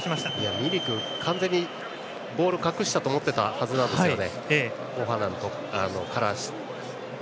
ミリク、完全にボールを隠してたと思ったはずなんですよね。